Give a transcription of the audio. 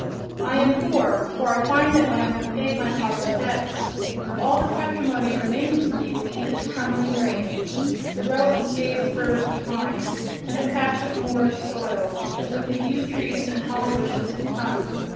I am poor; for I find that, when I have paid my father's debts, all the patrimony remaining to me will be this crumbling grange, the row of scathed firs behind, and the patch of moorish soil, with the yew trees and holly bushes in front.